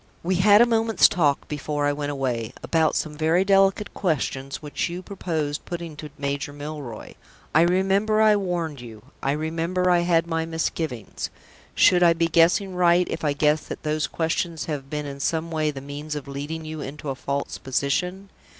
We had a moment's talk, before I went away, about some very delicate questions which you proposed putting to Major Milroy. I remember I warned you; I remember I had my misgivings. Should I be guessing right if I guessed that those questions have been in some way the means of leading you into a false position?